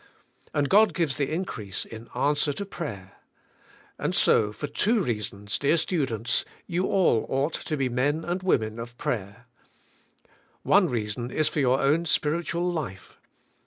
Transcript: And God gives the increase in answer to fray 67'. And so for two reasons, dear students, you all ought to be men and women of prayer. One reason is for your own spiritual life.